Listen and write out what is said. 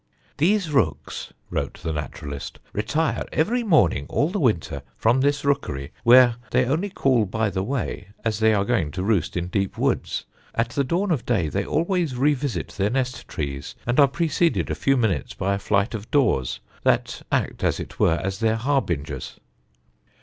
"These rooks," wrote the naturalist, "retire every morning all the winter from this rookery, where they only call by the way, as they are going to roost in deep woods; at the dawn of day they always revisit their nest trees, and are preceded a few minutes by a flight of daws, that act, as it were, as their harbingers."